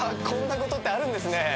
こんなことってあるんですね。